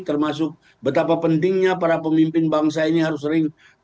termasuk betapa pentingnya para pemimpin bangsa ini harus sering